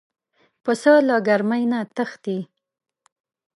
پسه له ګرمۍ نه تښتي.